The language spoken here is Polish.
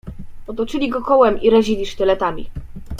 "Otoczyli go kołem i razili sztyletami."